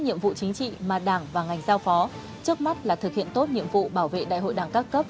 nhiệm vụ chính trị mà đảng và ngành giao phó trước mắt là thực hiện tốt nhiệm vụ bảo vệ đại hội đảng các cấp